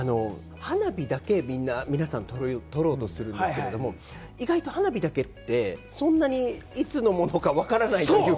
花火だけ、皆さん、撮ろうとするんですけれども、意外と花火だけって、そんなにいつのものかわからないというか。